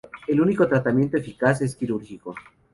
El único tratamiento eficaz es quirúrgico.